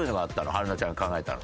春奈ちゃんが考えたの。